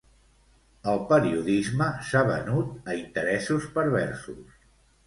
El periodisme s'ha venut a interessos perversos.